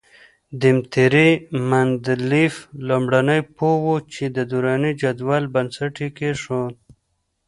دیمتري مندلیف لومړنی پوه وو چې د دوراني جدول بنسټ یې کېښود.